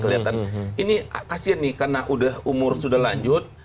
ini kasihan nih karena umur sudah lanjut